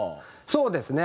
そうですね